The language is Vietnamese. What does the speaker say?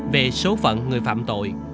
về số phận người phạm tội